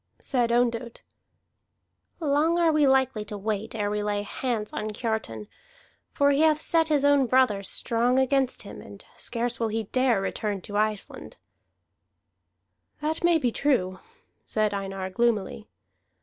Said Ondott: "Long are we likely to wait ere we lay hands on Kiartan. For he hath set his own brother strong against him, and scarce will he dare return to Iceland." "That may be true," said Einar gloomily.